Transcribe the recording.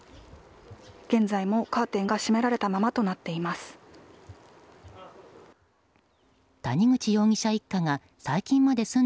現在もカーテンが閉められたままとなっています。